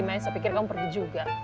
saya pikir kamu pergi juga